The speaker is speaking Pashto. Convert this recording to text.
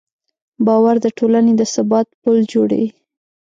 باور د ټولنې د ثبات پل جوړوي.